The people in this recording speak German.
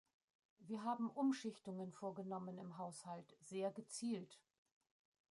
Wir haben Umschichtungen vorgenommen im Haushalt, sehr gezielt.